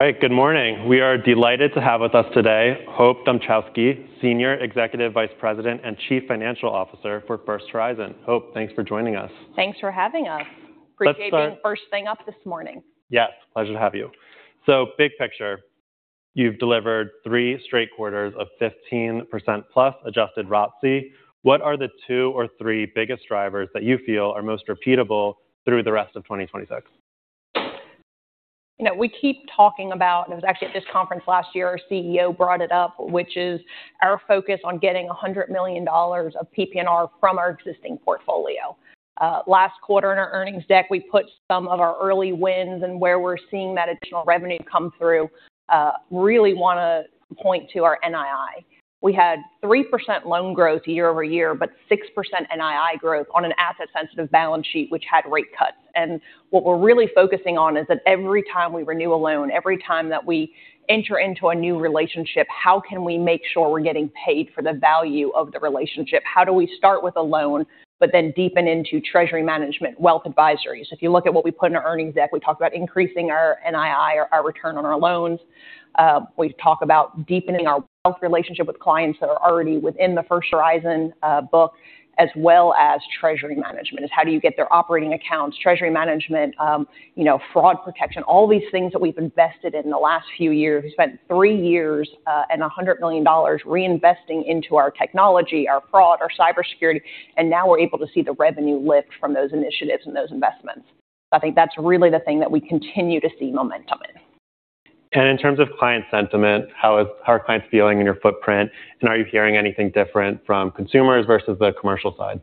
All right. Good morning. We are delighted to have with us today Hope Dmuchowski, Senior Executive Vice President and Chief Financial Officer for First Horizon. Hope, thanks for joining us. Thanks for having us. Let's start. Appreciate being first thing up this morning. Yes, pleasure to have you. Big picture, you've delivered three straight quarters of 15% plus adjusted ROTCE. What are the two or three biggest drivers that you feel are most repeatable through the rest of 2026? We keep talking about, and it was actually at this conference last year, our CEO brought it up, which is our focus on getting $100 million of PPNR from our existing portfolio. Last quarter in our earnings deck, we put some of our early wins and where we're seeing that additional revenue come through. Really want to point to our NII. We had 3% loan growth year over year, but 6% NII growth on an asset sensitive balance sheet, which had rate cuts. What we're really focusing on is that every time we renew a loan, every time that we enter into a new relationship, how can we make sure we're getting paid for the value of the relationship? How do we start with a loan, but then deepen into treasury management, wealth advisories? If you look at what we put in our earnings deck, we talk about increasing our NII, our return on our loans. We talk about deepening our wealth relationship with clients that are already within the First Horizon book as well as treasury management, is how do you get their operating accounts, treasury management, fraud protection, all these things that we've invested in the last few years. We spent three years and $100 million reinvesting into our technology, our fraud, our cybersecurity, and now we're able to see the revenue lift from those initiatives and those investments. I think that's really the thing that we continue to see momentum in. In terms of client sentiment, how are clients feeling in your footprint? Are you hearing anything different from consumers versus the commercial side?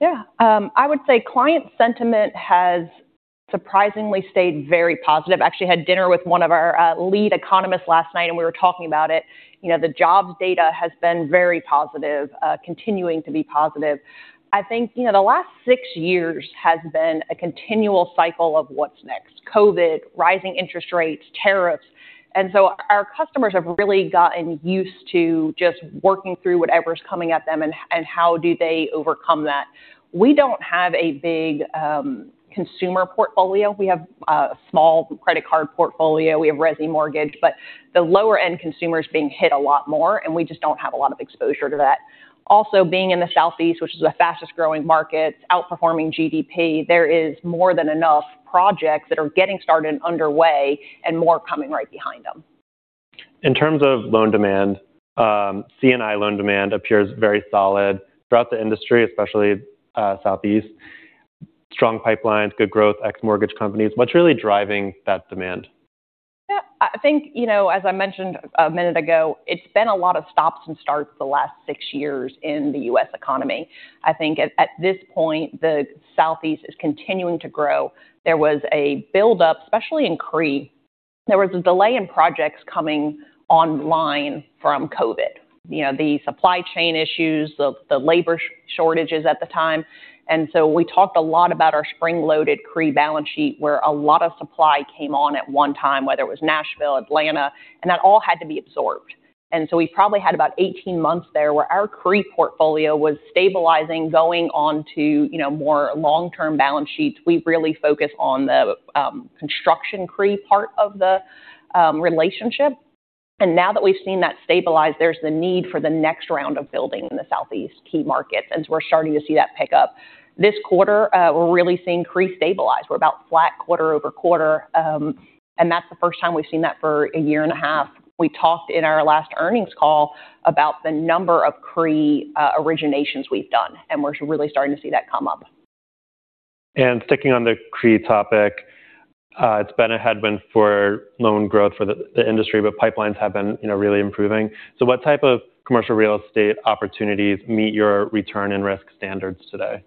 Yeah. I would say client sentiment has surprisingly stayed very positive. I actually had dinner with one of our lead economists last night, and we were talking about it. The jobs data has been very positive, continuing to be positive. I think the last six years has been a continual cycle of what's next. COVID, rising interest rates, tariffs. Our customers have really gotten used to just working through whatever's coming at them and how do they overcome that. We don't have a big consumer portfolio. We have a small credit card portfolio. We have resi mortgage, but the lower-end consumer's being hit a lot more, and we just don't have a lot of exposure to that. Also being in the Southeast, which is the fastest-growing market, outperforming GDP, there is more than enough projects that are getting started and underway and more coming right behind them. In terms of loan demand, C&I loan demand appears very solid throughout the industry, especially Southeast. Strong pipelines, good growth, ex mortgage companies. What's really driving that demand? Yeah. I think as I mentioned a minute ago, it's been a lot of stops and starts the last six years in the U.S. economy. I think at this point, the Southeast is continuing to grow. There was a buildup, especially in CRE. There was a delay in projects coming online from COVID. The supply chain issues, the labor shortages at the time. We talked a lot about our spring-loaded CRE balance sheet, where a lot of supply came on at one time, whether it was Nashville, Atlanta, and that all had to be absorbed. We probably had about 18 months there where our CRE portfolio was stabilizing, going on to more long-term balance sheets. We really focus on the construction CRE part of the relationship. Now that we've seen that stabilize, there's the need for the next round of building in the Southeast key markets. We're starting to see that pick up. This quarter, we're really seeing CRE stabilize. We're about flat quarter-over-quarter, and that's the first time we've seen that for a year and a half. We talked in our last earnings call about the number of CRE originations we've done, and we're really starting to see that come up. Sticking on the CRE topic, it's been a headwind for loan growth for the industry, pipelines have been really improving. What type of commercial real estate opportunities meet your return and risk standards today?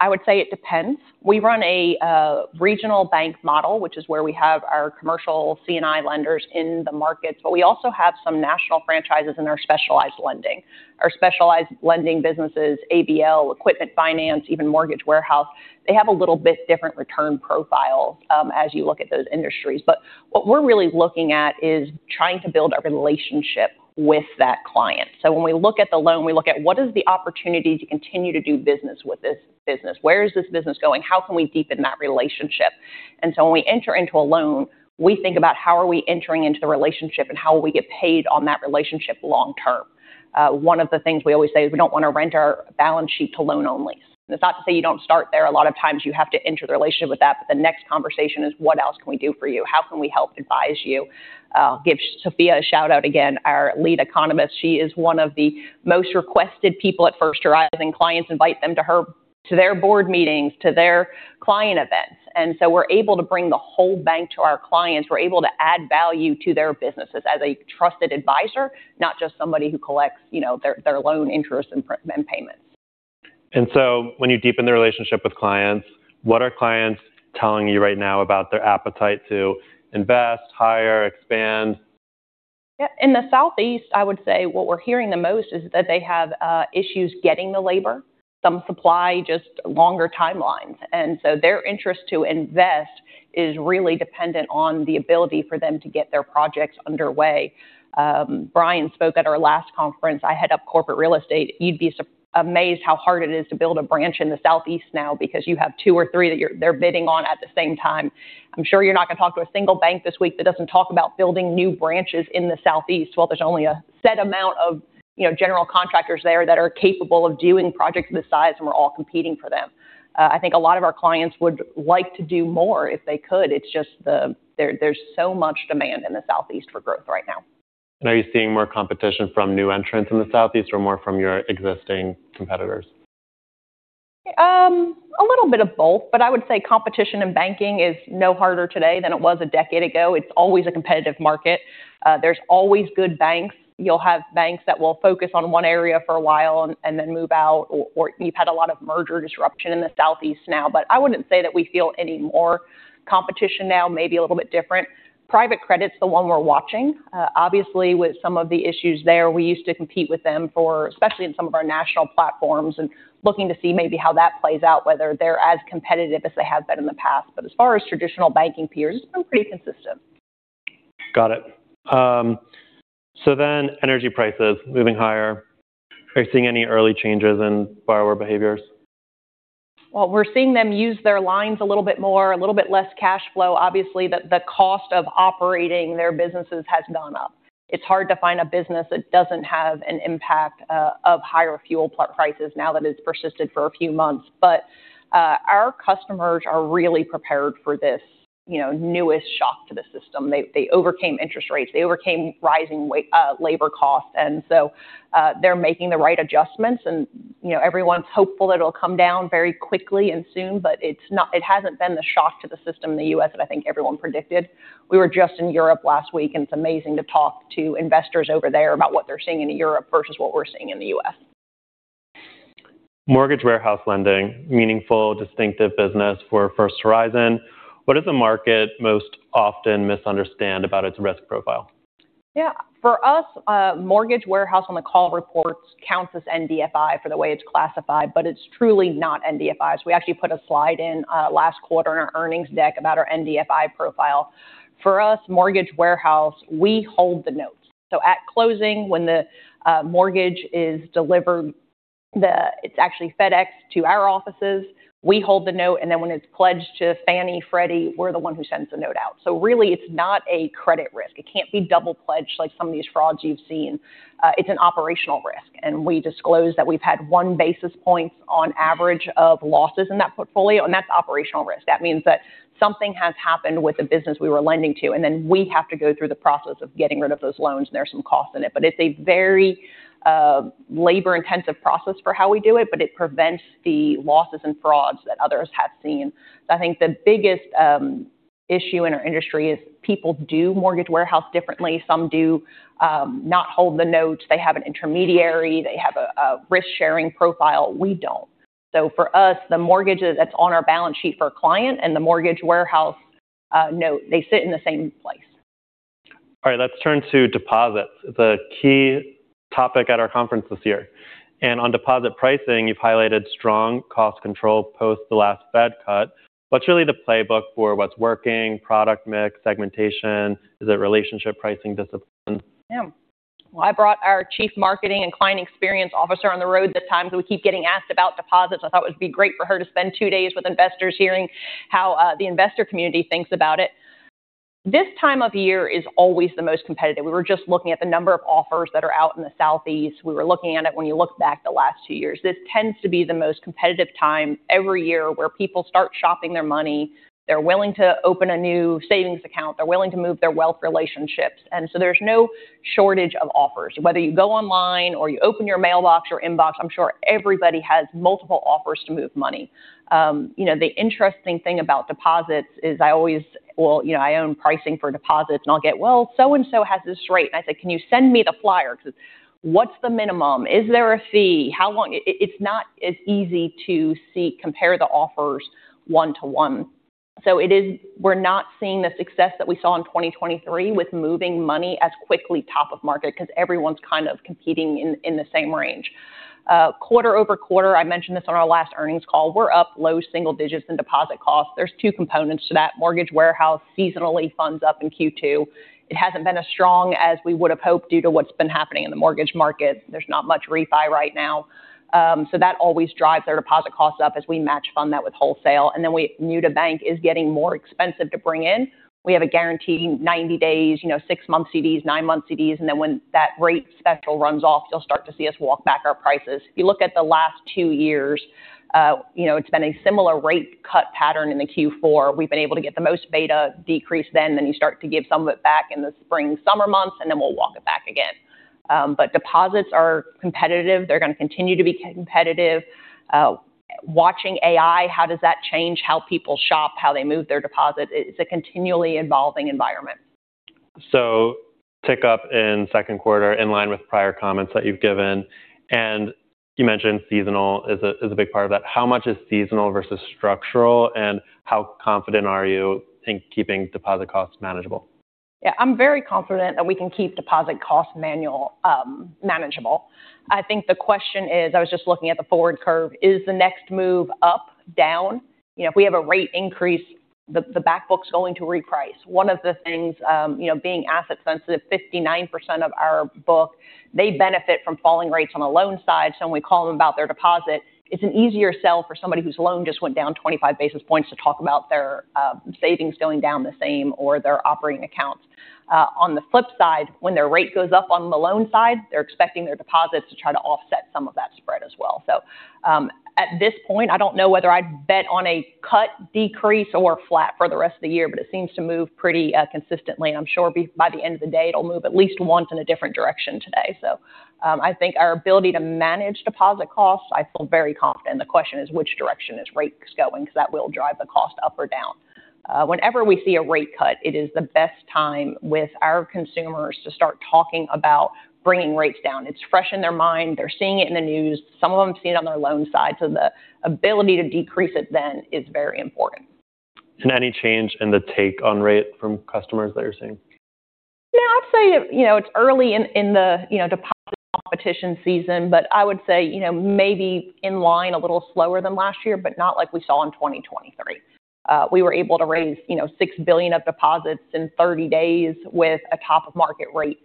I would say it depends. We run a regional bank model, which is where we have our commercial C&I lenders in the markets, we also have some national franchises in our specialized lending. Our specialized lending businesses, ABL, equipment finance, even Mortgage Warehouse, they have a little bit different return profiles as you look at those industries. What we're really looking at is trying to build a relationship with that client. When we look at the loan, we look at what is the opportunity to continue to do business with this business. Where is this business going? How can we deepen that relationship? When we enter into a loan, we think about how are we entering into the relationship and how will we get paid on that relationship long-term. One of the things we always say is we don't want to rent our balance sheet to loan only. It's not to say you don't start there. A lot of times you have to enter the relationship with that, the next conversation is what else can we do for you? How can we help advise you? Give Sophia a shout-out again, our lead economist. She is one of the most requested people at First Horizon. Clients invite them to their board meetings, to their client events. We're able to bring the whole bank to our clients. We're able to add value to their businesses as a trusted advisor, not just somebody who collects their loan interest and payments. When you deepen the relationship with clients, what are clients telling you right now about their appetite to invest, hire, expand? Yeah. In the Southeast, I would say what we're hearing the most is that they have issues getting the labor, some supply, just longer timelines. Their interest to invest is really dependent on the ability for them to get their projects underway. Bryan spoke at our last conference. I head up corporate real estate. You'd be amazed how hard it is to build a branch in the Southeast now because you have two or three that they're bidding on at the same time. I'm sure you're not going to talk to a single bank this week that doesn't talk about building new branches in the Southeast. There's only a set amount of general contractors there that are capable of doing projects of this size, and we're all competing for them. I think a lot of our clients would like to do more if they could. It's just there's so much demand in the Southeast for growth right now. Are you seeing more competition from new entrants in the Southeast or more from your existing competitors? A little bit of both. I would say competition in banking is no harder today than it was a decade ago. It's always a competitive market. There's always good banks. You'll have banks that will focus on one area for a while and then move out, or you've had a lot of merger disruption in the Southeast now, but I wouldn't say that we feel any more competition now, maybe a little bit different. Private credit's the one we're watching. Obviously, with some of the issues there, we used to compete with them for, especially in some of our national platforms and looking to see maybe how that plays out, whether they're as competitive as they have been in the past. As far as traditional banking peers, it's been pretty consistent. Got it. Energy prices moving higher. Are you seeing any early changes in borrower behaviors? Well, we're seeing them use their lines a little bit more, a little bit less cash flow. Obviously, the cost of operating their businesses has gone up. It's hard to find a business that doesn't have an impact of higher fuel prices now that it's persisted for a few months. Our customers are really prepared for this newest shock to the system. They overcame interest rates. They overcame rising labor costs, they're making the right adjustments, everyone's hopeful that it'll come down very quickly and soon, it hasn't been the shock to the system in the U.S. that I think everyone predicted. We were just in Europe last week, and it's amazing to talk to investors over there about what they're seeing in Europe versus what we're seeing in the U.S. Mortgage Warehouse lending, meaningful, distinctive business for First Horizon. What does the market most often misunderstand about its risk profile? Yeah. For us, Mortgage Warehouse on the call reports counts as NDFI for the way it's classified, it's truly not NDFI. We actually put a slide in last quarter in our earnings deck about our NDFI profile. For us, Mortgage Warehouse, we hold the notes. At closing, when the mortgage is delivered, it's actually FedExed to our offices. We hold the note, then when it's pledged to Fannie, Freddie, we're the one who sends the note out. Really, it's not a credit risk. It can't be double pledged like some of these frauds you've seen. It's an operational risk, and we disclose that we've had one basis point on average of losses in that portfolio, and that's operational risk. That means that something has happened with the business we were lending to, and then we have to go through the process of getting rid of those loans, and there are some costs in it. It's a very labor-intensive process for how we do it, but it prevents the losses and frauds that others have seen. I think the biggest issue in our industry is people do Mortgage Warehouse differently. Some do not hold the notes. They have an intermediary. They have a risk-sharing profile. We don't. For us, the mortgage that's on our balance sheet for a client and the Mortgage Warehouse note, they sit in the same place. All right. Let's turn to deposits, the key topic at our conference this year. On deposit pricing, you've highlighted strong cost control post the last Fed cut. What's really the playbook for what's working, product mix, segmentation? Is it relationship pricing discipline? Yeah. Well, I brought our chief marketing and client experience officer on the road this time because we keep getting asked about deposits. I thought it would be great for her to spend two days with investors hearing how the investor community thinks about it. This time of year is always the most competitive. We were just looking at the number of offers that are out in the Southeast. We were looking at it when you look back the last two years. This tends to be the most competitive time every year where people start shopping their money. They're willing to open a new savings account. They're willing to move their wealth relationships. There's no shortage of offers. Whether you go online or you open your mailbox or inbox, I'm sure everybody has multiple offers to move money. The interesting thing about deposits is well, I own pricing for deposits, and I'll get, "Well, so-and-so has this rate." I say, "Can you send me the flyer?" Because what's the minimum? Is there a fee? How long? It's not as easy to compare the offers one to one. We're not seeing the success that we saw in 2023 with moving money as quickly top of market because everyone's kind of competing in the same range. Quarter-over-quarter, I mentioned this on our last earnings call, we're up low single digits in deposit costs. There's two components to that. Mortgage Warehouse seasonally funds up in Q2. It hasn't been as strong as we would've hoped due to what's been happening in the mortgage market. There's not much refi right now. That always drives their deposit costs up as we match fund that with wholesale. New to bank is getting more expensive to bring in. We have a guaranteed 90 days, six-month CDs, nine-month CDs, and when that rate special runs off, you'll start to see us walk back our prices. If you look at the last two years, it's been a similar rate cut pattern in the Q4. We've been able to get the most beta decrease then you start to give some of it back in the spring, summer months, and we'll walk it back again. Deposits are competitive. They're going to continue to be competitive. Watching AI, how does that change how people shop, how they move their deposit? It's a continually evolving environment. Tick up in second quarter, in line with prior comments that you've given. You mentioned seasonal is a big part of that. How much is seasonal versus structural, and how confident are you in keeping deposit costs manageable? I'm very confident that we can keep deposit costs manageable. I think the question is, I was just looking at the forward curve, is the next move up, down? If we have a rate increase, the back book's going to reprice. One of the things, being asset sensitive, 59% of our book, they benefit from falling rates on the loan side. When we call them about their deposit, it's an easier sell for somebody whose loan just went down 25 basis points to talk about their savings going down the same or their operating accounts. On the flip side, when their rate goes up on the loan side, they're expecting their deposits to try to offset some of that spread as well. At this point, I don't know whether I'd bet on a cut decrease or flat for the rest of the year, it seems to move pretty consistently, and I'm sure by the end of the day, it'll move at least once in a different direction today. I think our ability to manage deposit costs, I feel very confident. The question is which direction is rates going, because that will drive the cost up or down. Whenever we see a rate cut, it is the best time with our consumers to start talking about bringing rates down. It's fresh in their mind. They're seeing it in the news. Some of them see it on their loan side, so the ability to decrease it then is very important. Any change in the take on rate from customers that you're seeing? No, I'd say it's early in the deposit competition season, but I would say maybe in line a little slower than last year, but not like we saw in 2023. We were able to raise $6 billion of deposits in 30 days with a top-of-market rate.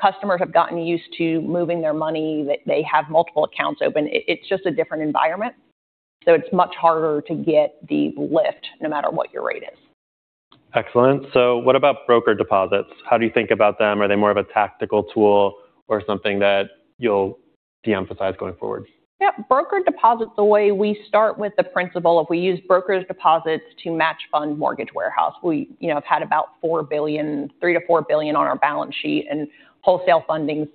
Customers have gotten used to moving their money, that they have multiple accounts open. It's just a different environment. It's much harder to get the lift no matter what your rate is. Excellent. What about broker deposits? How do you think about them? Are they more of a tactical tool or something that you'll de-emphasize going forward? Yeah. Broker deposits, the way we start with the principle, if we use broker deposits to match fund Mortgage Warehouse, we have had about $3 billion-$4 billion on our balance sheet and wholesale funding.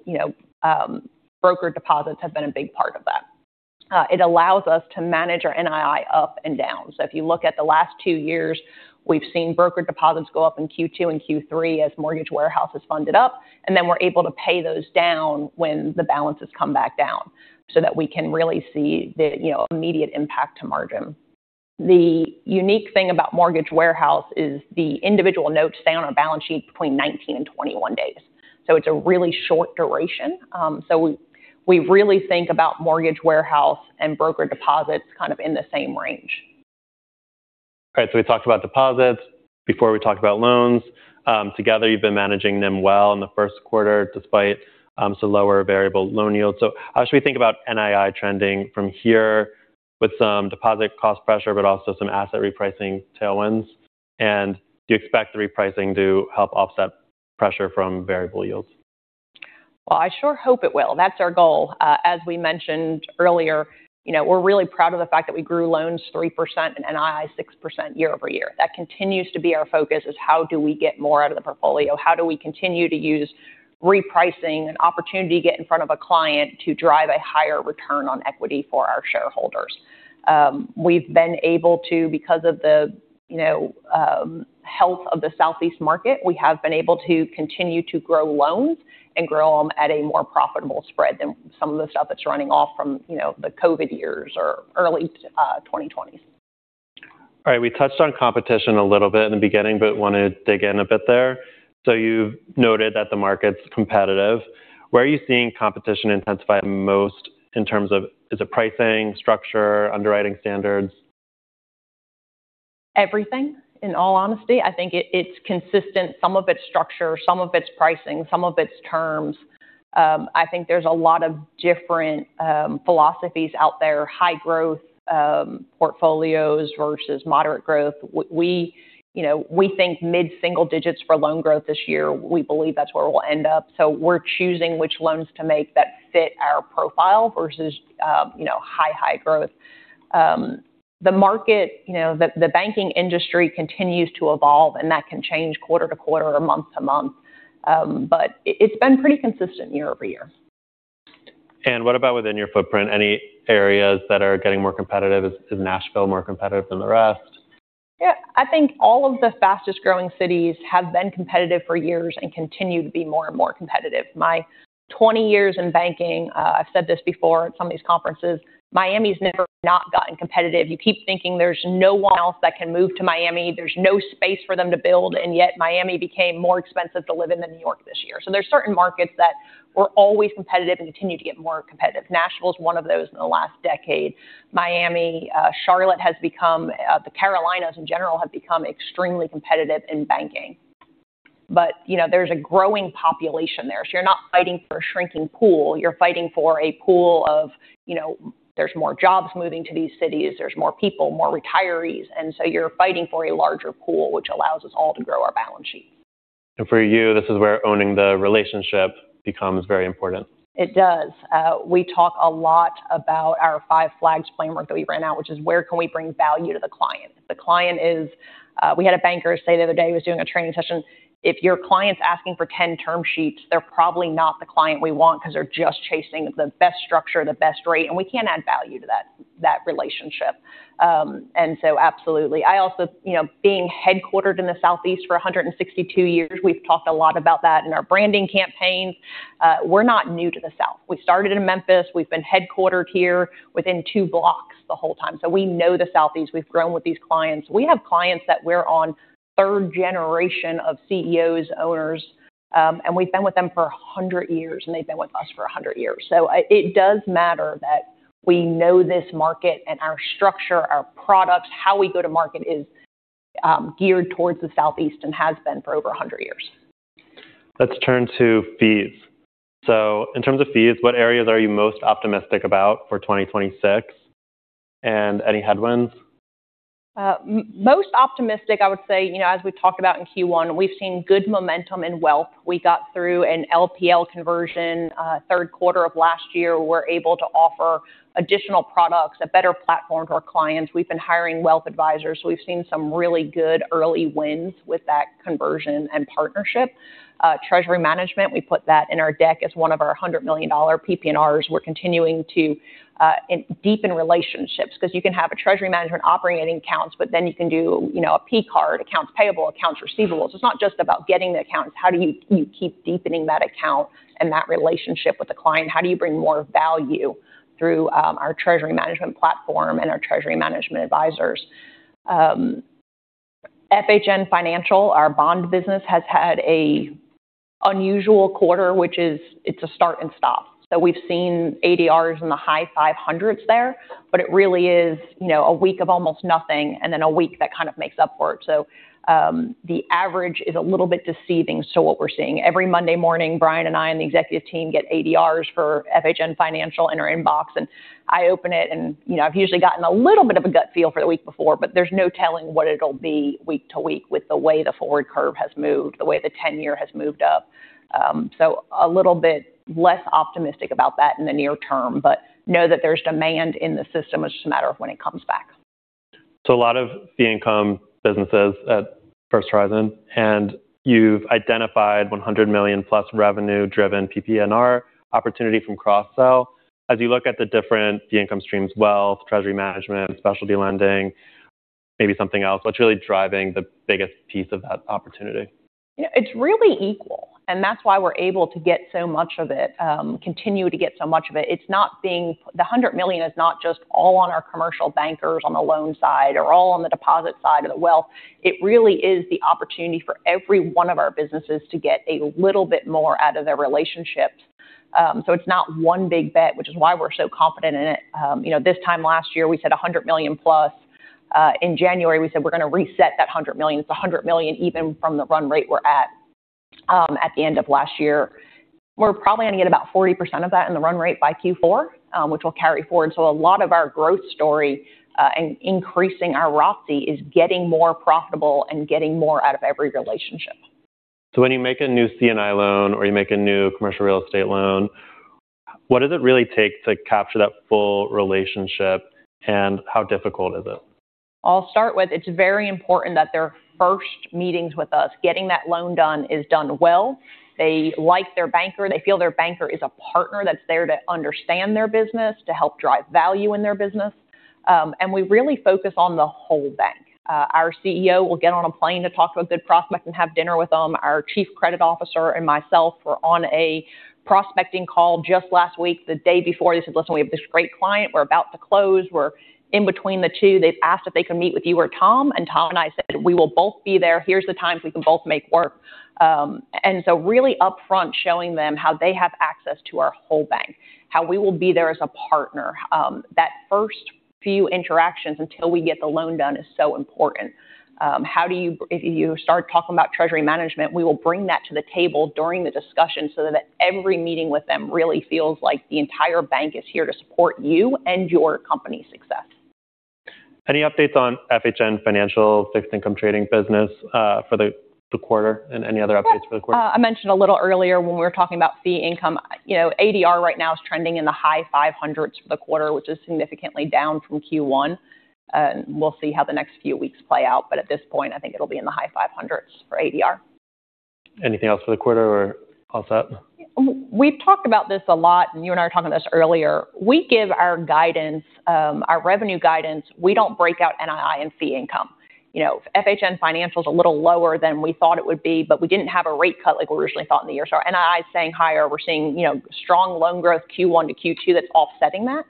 Broker deposits have been a big part of that. It allows us to manage our NII up and down. If you look at the last two years, we've seen broker deposits go up in Q2 and Q3 as Mortgage Warehouse is funded up, and then we're able to pay those down when the balances come back down so that we can really see the immediate impact to margin. The unique thing about Mortgage Warehouse is the individual notes stay on our balance sheet between 19 and 21 days, so it's a really short duration. We really think about Mortgage Warehouse and broker deposits kind of in the same range. All right. We talked about deposits before we talked about loans. Together, you've been managing them well in the first quarter despite some lower variable loan yields. How should we think about NII trending from here with some deposit cost pressure, but also some asset repricing tailwinds? Do you expect the repricing to help offset pressure from variable yields? Well, I sure hope it will. That's our goal. As we mentioned earlier, we're really proud of the fact that we grew loans 3% and NII 6% year-over-year. That continues to be our focus is how do we get more out of the portfolio? How do we continue to use repricing and opportunity to get in front of a client to drive a higher return on equity for our shareholders? We've been able to because of the health of the Southeast market, we have been able to continue to grow loans and grow them at a more profitable spread than some of the stuff that's running off from the COVID years or early 2020s. All right. We touched on competition a little bit in the beginning, but want to dig in a bit there. You've noted that the market's competitive. Where are you seeing competition intensify most in terms of, is it pricing, structure, underwriting standards? Everything, in all honesty. I think it's consistent. Some of it's structure, some of it's pricing, some of it's terms. I think there's a lot of different philosophies out there. High growth portfolios versus moderate growth. We think mid-single digits for loan growth this year. We believe that's where we'll end up. We're choosing which loans to make that fit our profile versus high growth. The banking industry continues to evolve, that can change quarter-to-quarter or month-to-month. It's been pretty consistent year-over-year. What about within your footprint? Any areas that are getting more competitive? Is Nashville more competitive than the rest? Yeah. I think all of the fastest-growing cities have been competitive for years and continue to be more and more competitive. My 20 years in banking, I've said this before at some of these conferences, Miami's never not gotten competitive. You keep thinking there's no one else that can move to Miami. There's no space for them to build, and yet Miami became more expensive to live in than New York this year. There's certain markets that were always competitive and continue to get more competitive. Nashville's one of those in the last decade. Miami, Charlotte has become. The Carolinas, in general, have become extremely competitive in banking. There's a growing population there. You're not fighting for a shrinking pool. You're fighting for a pool of there's more jobs moving to these cities, there's more people, more retirees, you're fighting for a larger pool, which allows us all to grow our balance sheet. For you, this is where owning the relationship becomes very important. It does. We talk a lot about our Five Flags framework that we ran out, which is where can we bring value to the client? We had a banker say the other day, he was doing a training session, if your client's asking for 10 term sheets, they're probably not the client we want because they're just chasing the best structure, the best rate, and we can't add value to that relationship. Absolutely. I also, being headquartered in the Southeast for 162 years, we've talked a lot about that in our branding campaigns. We're not new to the South. We started in Memphis. We've been headquartered here within two blocks the whole time. We know the Southeast. We've grown with these clients. We have clients that we're on third generation of CEOs, owners, and we've been with them for 100 years, and they've been with us for 100 years. It does matter that we know this market and our structure, our products, how we go to market is geared towards the Southeast and has been for over 100 years. Let's turn to fees. In terms of fees, what areas are you most optimistic about for 2026, and any headwinds? Most optimistic, I would say, as we talked about in Q1, we've seen good momentum in wealth. We got through an LPL conversion third quarter of last year. We're able to offer additional products, a better platform to our clients. We've been hiring wealth advisors. We've seen some really good early wins with that conversion and partnership. Treasury management, we put that in our deck as one of our $100 million PPNRs. We're continuing to deepen relationships because you can have a treasury management operating accounts, but then you can do a P-card, accounts payable, accounts receivables. It's not just about getting the accounts. How do you keep deepening that account and that relationship with the client? How do you bring more value through our treasury management platform and our treasury management advisors? FHN Financial, our bond business, has had a unusual quarter, which is it's a start and stop. We've seen ADRs in the high 500s there, but it really is a week of almost nothing and then a week that kind of makes up for it. The average is a little bit deceiving to what we're seeing. Every Monday morning, Bryan and I and the executive team get ADRs for FHN Financial in our inbox, and I open it, and I've usually gotten a little bit of a gut feel for the week before, but there's no telling what it'll be week to week with the way the forward curve has moved, the way the 10-year has moved up. A little bit less optimistic about that in the near term, but know that there's demand in the system. It's just a matter of when it comes back. A lot of fee income businesses at First Horizon, and you've identified $100 million+ revenue-driven PPNR opportunity from cross-sell. As you look at the different fee income streams, wealth, treasury management, specialty lending, maybe something else, what's really driving the biggest piece of that opportunity? It's really equal, and that's why we're able to get so much of it, continue to get so much of it. The $100 million is not just all on our commercial bankers on the loan side or all on the deposit side of the wealth. It really is the opportunity for every one of our businesses to get a little bit more out of their relationships. It's not one big bet, which is why we're so confident in it. This time last year, we said $100 million+. In January, we said we're going to reset that $100 million. It's $100 million even from the run rate we're at the end of last year. We're probably going to get about 40% of that in the run rate by Q4, which will carry forward. A lot of our growth story and increasing our ROTCE is getting more profitable and getting more out of every relationship. When you make a new C&I loan or you make a new commercial real estate loan, what does it really take to capture that full relationship, and how difficult is it? I'll start with, it's very important that their first meetings with us, getting that loan done is done well. They like their banker. They feel their banker is a partner that's there to understand their business, to help drive value in their business. We really focus on the whole bank. Our CEO will get on a plane to talk to a good prospect and have dinner with them. Our Chief Credit Officer and myself were on a prospecting call just last week, the day before. They said, "Listen, we have this great client. We're about to close. We're in between the two. They've asked if they can meet with you or Tom." Tom and I said, "We will both be there. Here's the times we can both make work. Really upfront showing them how they have access to our whole bank, how we will be there as a partner. That first few interactions until we get the loan done is so important. If you start talking about treasury management, we will bring that to the table during the discussion so that every meeting with them really feels like the entire bank is here to support you and your company's success. Any updates on FHN Financial fixed income trading business for the quarter and any other updates for the quarter? I mentioned a little earlier when we were talking about fee income, ADR right now is trending in the high 500s for the quarter, which is significantly down from Q1. We'll see how the next few weeks play out, but at this point, I think it'll be in the high 500s for ADR. Anything else for the quarter or offset? We've talked about this a lot, and you and I were talking about this earlier. We give our revenue guidance. We don't break out NII and fee income. FHN Financial is a little lower than we thought it would be, but we didn't have a rate cut like we originally thought in the year. Our NII is staying higher. We're seeing strong loan growth Q1 to Q2 that's offsetting that.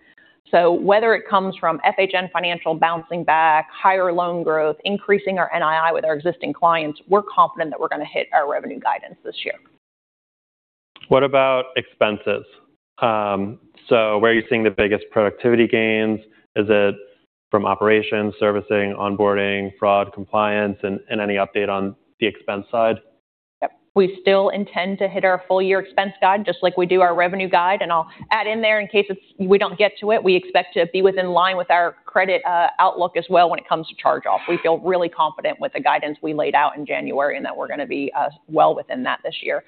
Whether it comes from FHN Financial bouncing back, higher loan growth, increasing our NII with our existing clients, we're confident that we're going to hit our revenue guidance this year. What about expenses? Where are you seeing the biggest productivity gains? Is it from operations, servicing, onboarding, fraud, compliance, and any update on the expense side? Yep. We still intend to hit our full-year expense guide, just like we do our revenue guide, and I'll add in there in case we don't get to it, we expect to be within line with our credit outlook as well when it comes to charge-off. We feel really confident with the guidance we laid out in January and that we're going to be well within that this year.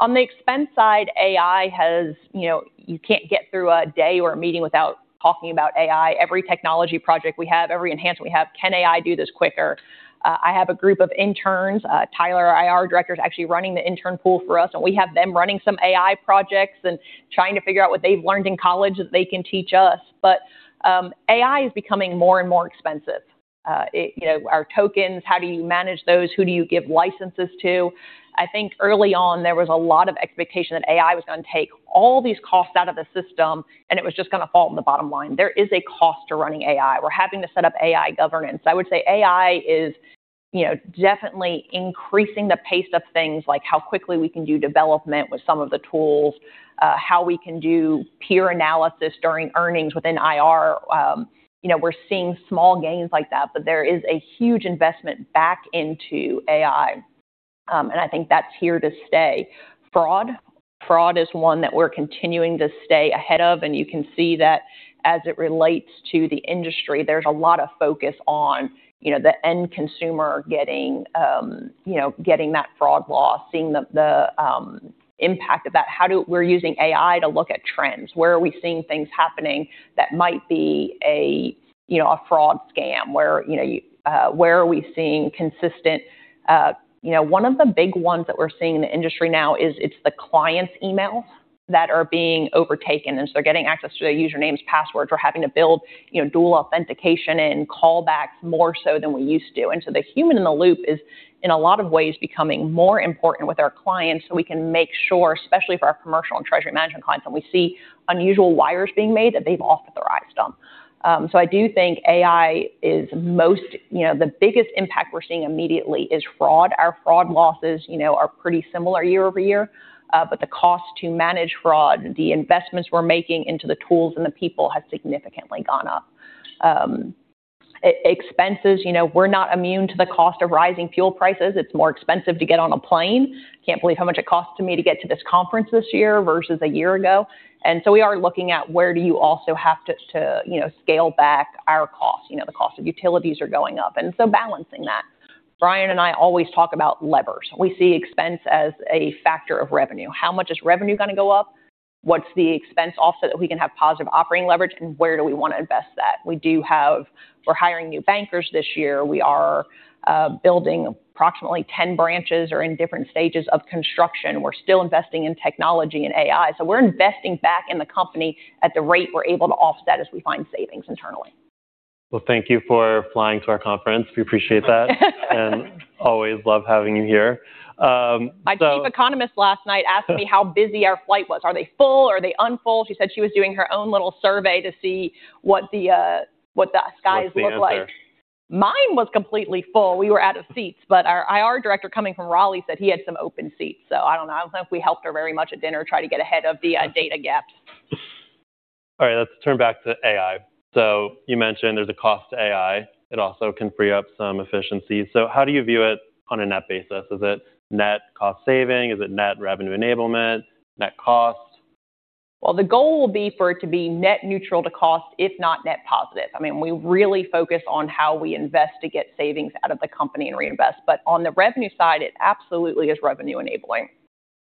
On the expense side, you can't get through a day or a meeting without talking about AI. Every technology project we have, every enhancement we have, can AI do this quicker? I have a group of interns. Tyler, our IR director, is actually running the intern pool for us. We have them running some AI projects and trying to figure out what they've learned in college that they can teach us. AI is becoming more and more expensive. Our tokens, how do you manage those? Who do you give licenses to? I think early on there was a lot of expectation that AI was going to take all these costs out of the system, and it was just going to fall to the bottom line. There is a cost to running AI. We're having to set up AI governance. I would say AI is definitely increasing the pace of things like how quickly we can do development with some of the tools, how we can do peer analysis during earnings within IR. We're seeing small gains like that, but there is a huge investment back into AI. I think that's here to stay. Fraud is one that we're continuing to stay ahead of, you can see that as it relates to the industry, there's a lot of focus on the end consumer getting that fraud loss, seeing the impact of that. We're using AI to look at trends. Where are we seeing things happening that might be a fraud scam? One of the big ones that we're seeing in the industry now is it's the client's emails that are being overtaken, so they're getting access to their usernames, passwords. We're having to build dual authentication and callbacks more so than we used to. The human in the loop is, in a lot of ways, becoming more important with our clients so we can make sure, especially for our commercial and treasury management clients, when we see unusual wires being made, that they've authorized them. I do think the biggest impact we're seeing immediately is fraud. Our fraud losses are pretty similar year-over-year. The cost to manage fraud, the investments we're making into the tools and the people have significantly gone up. Expenses. We are not immune to the cost of rising fuel prices. It's more expensive to get on a plane. Can't believe how much it cost me to get to this conference this year versus a year ago. We are looking at where do you also have to scale back our costs. The cost of utilities are going up. Balancing that. Bryan and I always talk about levers. We see expense as a factor of revenue. How much is revenue going to go up? What's the expense offset that we can have positive operating leverage, and where do we want to invest that? We're hiring new bankers this year. We are building approximately 10 branches are in different stages of construction. We're still investing in technology and AI. We're investing back in the company at the rate we're able to offset as we find savings internally. Well, thank you for flying to our conference. We appreciate that. Always love having you here. My chief economist last night asked me how busy our flight was. Are they full? Are they unfull? She said she was doing her own little survey to see what the skies look like. What's the answer? Mine was completely full. We were out of seats, but our IR director coming from Raleigh said he had some open seats. I don't know. I don't think we helped her very much at dinner try to get ahead of the data gaps. All right. Let's turn back to AI. You mentioned there's a cost to AI. It also can free up some efficiencies. How do you view it on a net basis? Is it net cost saving? Is it net revenue enablement, net cost? Well, the goal will be for it to be net neutral to cost, if not net positive. We really focus on how we invest to get savings out of the company and reinvest. On the revenue side, it absolutely is revenue enabling.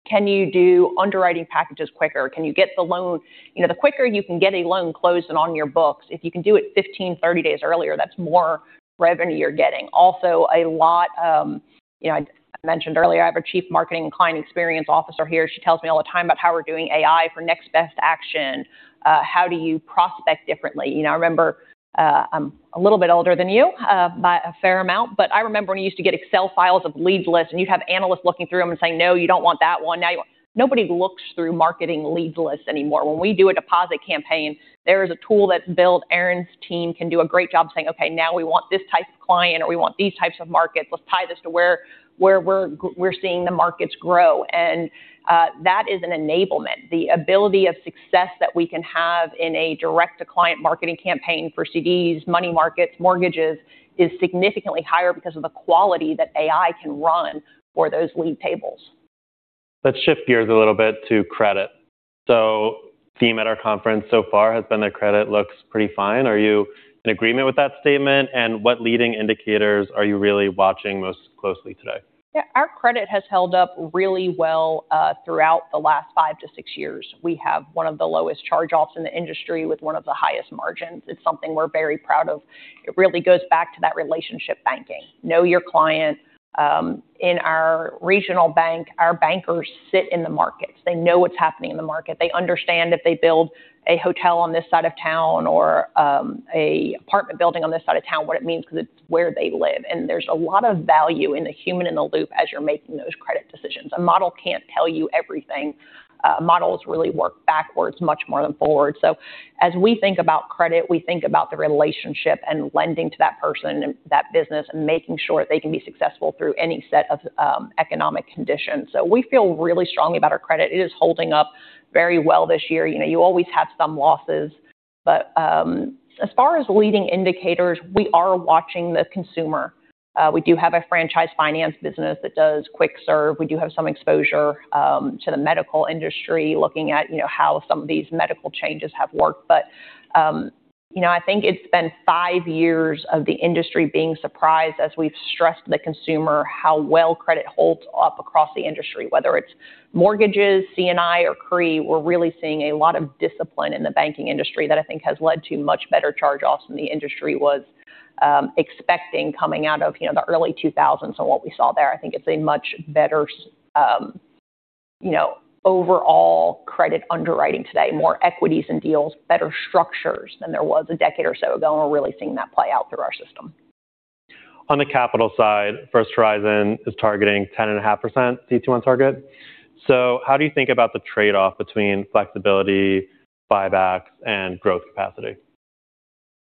Can you do underwriting packages quicker? The quicker you can get a loan closed and on your books, if you can do it 15, 30 days earlier, that's more revenue you're getting. Also, a lot, I mentioned earlier, I have a chief marketing and client experience officer here. She tells me all the time about how we're doing AI for next best action. How do you prospect differently? I remember, I'm a little bit older than you by a fair amount. I remember when you used to get Excel files of leads lists, and you'd have analysts looking through them and saying, "No, you don't want that one." Now, nobody looks through marketing leads lists anymore. When we do a deposit campaign, there is a tool that's built. Erin's team can do a great job saying, "Okay, now we want this type of client, or we want these types of markets. Let's tie this to where we're seeing the markets grow." That is an enablement. The ability of success that we can have in a direct-to-client marketing campaign for CDs, money markets, mortgages, is significantly higher because of the quality that AI can run for those lead tables. Let's shift gears a little bit to credit. Theme at our conference so far has been that credit looks pretty fine. Are you in agreement with that statement, and what leading indicators are you really watching most closely today? Our credit has held up really well throughout the last five to six years. We have one of the lowest charge-offs in the industry with one of the highest margins. It's something we're very proud of. It really goes back to that relationship banking. Know your client. In our regional bank, our bankers sit in the markets. They know what's happening in the market. They understand if they build a hotel on this side of town or an apartment building on this side of town, what it means because it's where they live, and there's a lot of value in the human in the loop as you're making those credit decisions. A model can't tell you everything. Models really work backwards much more than forwards. As we think about credit, we think about the relationship and lending to that person and that business and making sure they can be successful through any set of economic conditions. We feel really strongly about our credit. It is holding up very well this year. You always have some losses. As far as leading indicators, we are watching the consumer. We do have a franchise finance business that does quick serve. We do have some exposure to the medical industry, looking at how some of these medical changes have worked. I think it's been five years of the industry being surprised as we've stressed the consumer how well credit holds up across the industry. Whether it's mortgages, C&I, or CRE, we're really seeing a lot of discipline in the banking industry that I think has led to much better charge-offs than the industry was expecting coming out of the early 2000s and what we saw there. I think it's a much better, you know, overall credit underwriting today, more equities and deals, better structures than there was a decade or so ago, and we're really seeing that play out through our system. On the capital side, First Horizon is targeting 10.5% CET1 target. How do you think about the trade-off between flexibility, buybacks, and growth capacity?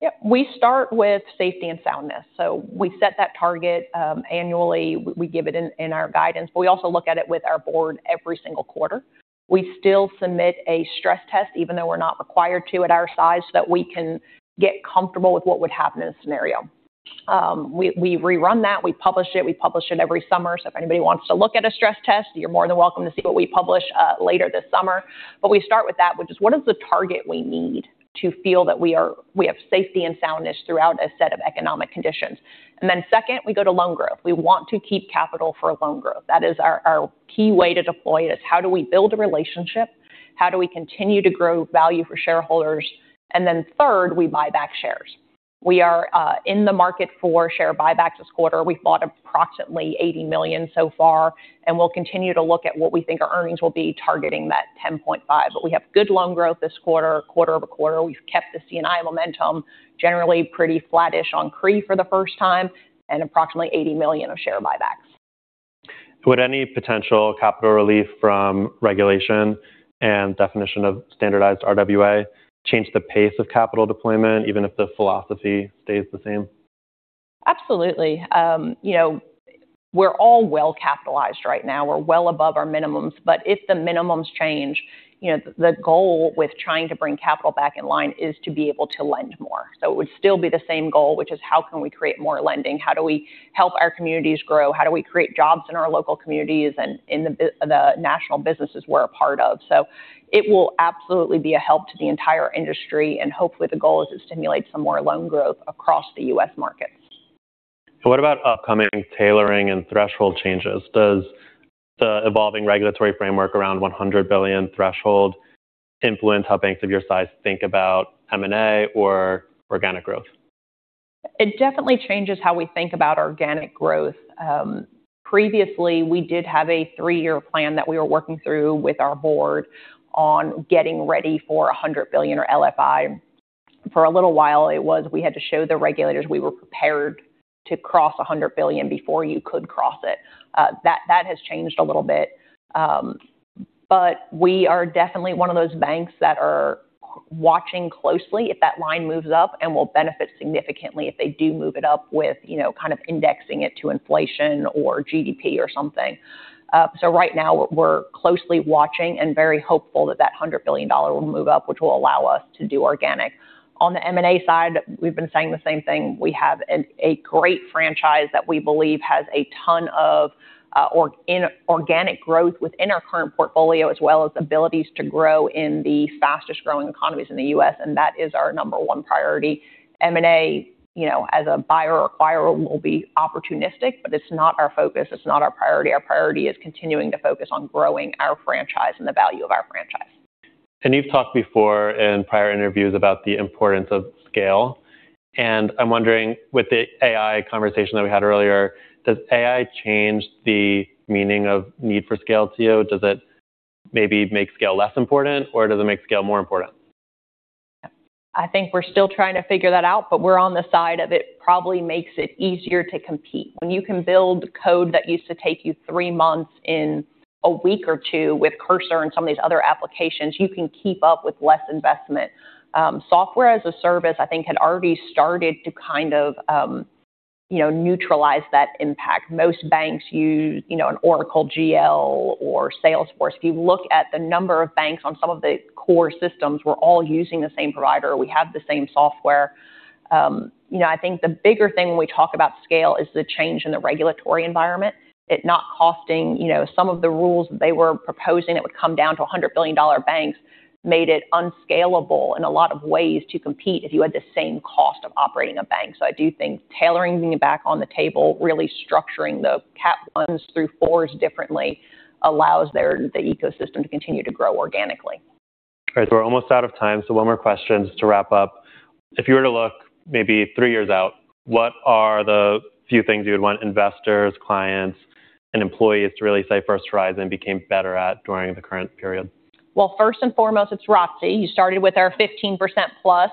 Yeah. We start with safety and soundness. We set that target annually. We give it in our guidance. We also look at it with our board every single quarter. We still submit a stress test, even though we're not required to at our size, so that we can get comfortable with what would happen in a scenario. We rerun that, we publish it, we publish it every summer. If anybody wants to look at a stress test, you're more than welcome to see what we publish later this summer. We start with that, which is what is the target we need to feel that we have safety and soundness throughout a set of economic conditions. Second, we go to loan growth. We want to keep capital for loan growth. That is our key way to deploy it, is how do we build a relationship? How do we continue to grow value for shareholders? Third, we buy back shares. We are in the market for share buybacks this quarter. We've bought approximately $80 million so far, and we'll continue to look at what we think our earnings will be, targeting that 10.5. We have good loan growth this quarter-over-quarter. We've kept the C&I momentum generally pretty flattish on CRE for the first time, and approximately $80 million of share buybacks. Would any potential capital relief from regulation and definition of standardized RWA change the pace of capital deployment, even if the philosophy stays the same? Absolutely. We're all well capitalized right now. We're well above our minimums, but if the minimums change, the goal with trying to bring capital back in line is to be able to lend more. It would still be the same goal, which is how can we create more lending? How do we help our communities grow? How do we create jobs in our local communities and in the national businesses we're a part of? It will absolutely be a help to the entire industry, and hopefully the goal is to stimulate some more loan growth across the U.S. markets. What about upcoming tailoring and threshold changes? Does the evolving regulatory framework around $100 billion threshold influence how banks of your size think about M&A or organic growth? It definitely changes how we think about organic growth. Previously, we did have a three-year plan that we were working through with our board on getting ready for $100 billion, or LFI. For a little while, it was we had to show the regulators we were prepared to cross $100 billion before you could cross it. That has changed a little bit. We are definitely one of those banks that are watching closely if that line moves up and will benefit significantly if they do move it up with kind of indexing it to inflation or GDP or something. Right now, we're closely watching and very hopeful that that $100 billion will move up, which will allow us to do organic. On the M&A side, we've been saying the same thing. We have a great franchise that we believe has a ton of organic growth within our current portfolio, as well as abilities to grow in the fastest-growing economies in the U.S., and that is our number one priority. M&A, as a buyer or acquirer, will be opportunistic, it's not our focus. It's not our priority. Our priority is continuing to focus on growing our franchise and the value of our franchise. You've talked before in prior interviews about the importance of scale, and I'm wondering with the AI conversation that we had earlier, does AI change the meaning of need for scale, too? Does it maybe make scale less important, or does it make scale more important? I think we're still trying to figure that out, but we're on the side of it probably makes it easier to compete. When you can build code that used to take you three months in a week or two with Cursor and some of these other applications, you can keep up with less investment. Software as a service, I think, had already started to kind of neutralize that impact. Most banks use an Oracle GL or Salesforce. If you look at the number of banks on some of the core systems, we're all using the same provider. We have the same software. I think the bigger thing when we talk about scale is the change in the regulatory environment. It not costing some of the rules they were proposing that would come down to $100 billion banks made it unscalable in a lot of ways to compete if you had the same cost of operating a bank. I do think tailoring being back on the table, really structuring the cap funds through IVs differently allows the ecosystem to continue to grow organically. All right. We're almost out of time, one more question just to wrap up. If you were to look maybe three years out, what are the few things you would want investors, clients, and employees to really say First Horizon became better at during the current period? Well, first and foremost, it's ROTCE. You started with our 15% plus.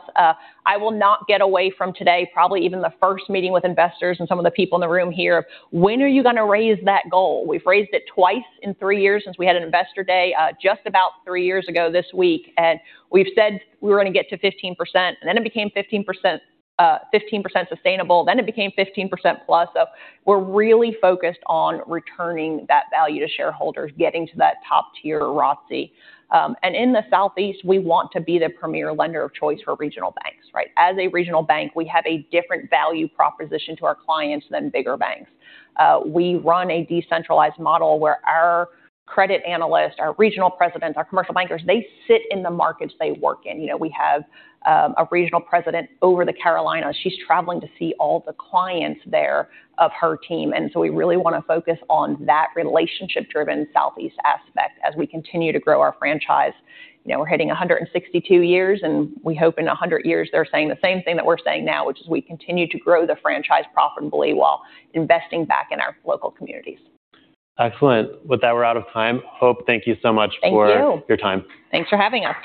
I will not get away from today, probably even the first meeting with investors and some of the people in the room here. When are you going to raise that goal? We've raised it twice in three years since we had an investor day just about three years ago this week, and we've said we were going to get to 15%, then it became 15% sustainable, then it became 15% plus. We're really focused on returning that value to shareholders, getting to that top tier ROTCE. In the Southeast, we want to be the premier lender of choice for regional banks, right? As a regional bank, we have a different value proposition to our clients than bigger banks. We run a decentralized model where our credit analysts, our regional presidents, our commercial bankers, they sit in the markets they work in. We have a regional president over the Carolinas. She's traveling to see all the clients there of her team. We really want to focus on that relationship-driven Southeast aspect as we continue to grow our franchise. We're hitting 162 years. We hope in 100 years they're saying the same thing that we're saying now, which is we continue to grow the franchise profitably while investing back in our local communities. Excellent. With that, we're out of time. Hope, thank you so much for your time. Thank you. Thanks for having us.